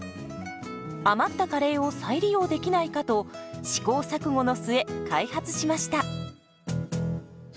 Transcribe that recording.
余ったカレーを再利用できないかと試行錯誤の末開発しました。